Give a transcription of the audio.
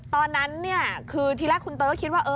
ตอนนั้นคือทีแรกคุณเตยก็คิดว่า